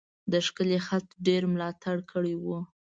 د ښکلی خط ډیر ملاتړ کړی و.